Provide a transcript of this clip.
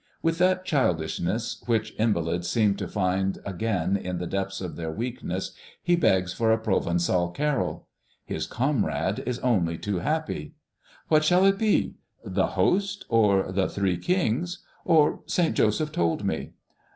With that childishness which invalids seem to find again in the depths of their weakness he begs for a Provençal carol. His comrade is only too happy. "What shall it be, 'The Host' or 'The Three Kings' or 'Saint Joseph told me'?"